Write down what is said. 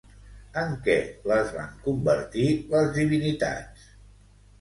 En què les van convertir les divinitats?